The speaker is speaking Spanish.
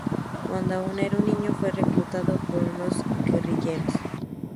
Cuando aún era un niño fue reclutado por unos guerrilleros.